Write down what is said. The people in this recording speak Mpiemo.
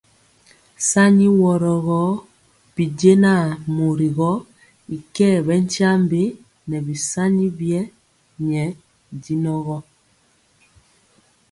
Sani woro gɔ binjɛnaŋ mori gɔ y kɛɛ bɛ tyiambe nɛ bisani biewa nyɛ dinɛ gɔ.